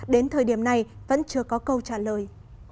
đến thời điểm này vẫn chưa có câu trả lời